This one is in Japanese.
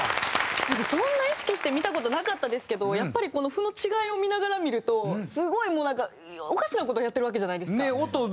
なんかそんな意識して見た事なかったですけどやっぱりこの譜の違いを見ながら見るとすごいもうなんかおかしな事をやってるわけじゃないですか。